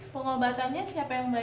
pengobatannya siapa yang bayar